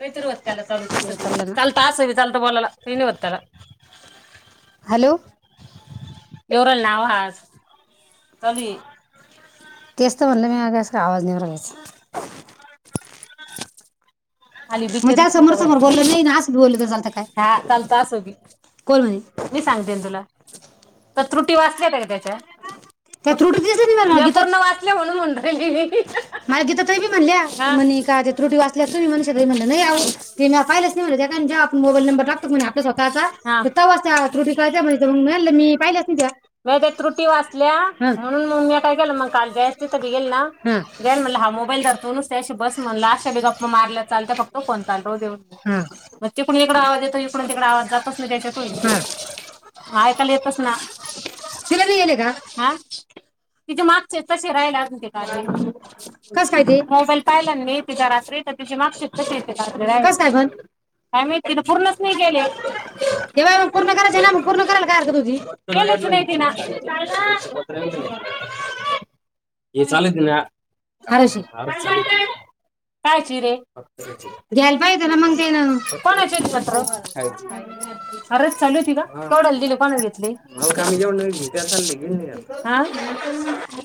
कायतरी [unintelligible] चालतं आसं बी चालतं बोलायला काय नी होत त्याला हॅलो येऊ रायला ना आवाज चालूये तेच तर म्हणलं मी आवाज नई येऊ राहिलाय आली बिचारी [unintelligible] आ चालत आसं बी कोण हाय मी सांगतेन तुला तर त्रुटी वाचल्याता का त्याच्या [unintelligible] म्या पूर्ण वाचल्या म्हणून म्हटली मी हा [unintelligible] [unintelligible] हा नाही त्या त्रुटी वाचल्या म्हणून मग म्या काय केलं मग काल [unintelligible] म्हणलं हा मोबाईल धर तू नुसती अशी बस म्हणलं अशा बी गप्पा मारल्यात चालतय फक्त फोन चालू राहुदे ओ. मग तिकडून हिकड आवाज येतो हिकडून तिकड आवाज जातच नाई त्याच्यातून ऐकायला येतच ना [unintelligible] आ तिचे मागचेच तशे राहिले अजून ते काय. कस काय ग मोबायल पायला मी तिचा रात्री तर ती [unintelligible] काय माहित तिन पूर्णच नाय केल [unintelligible] घ्यायला पायजे होत ना मग तेण कोणाचेत पत्र अरेच चालू होती का केवढ्याला दिले कोणा घेतले आ [unintelligible]